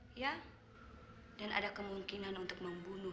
hai ya dan ada kemungkinan untuk membunuh